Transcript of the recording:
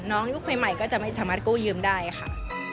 ยุคใหม่ก็จะไม่สามารถกู้ยืมได้ค่ะ